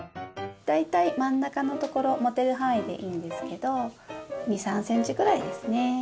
大体真ん中のところ持てる範囲でいいんですけど２３ｃｍぐらいですね